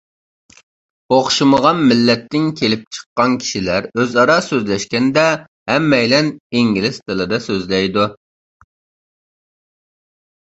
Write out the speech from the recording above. ئوخشىمىغان مىللەتتىن كېلىپ چىققان كىشىلەر ئۆزئارا سۆزلەشكەندە، ھەممەيلەن ئىنگلىز تىلىدا سۆزلەيدۇ.